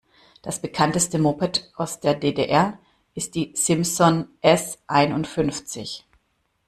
Das Bekannteste Moped aus der D-D-R ist die Simson S einundfünfzig.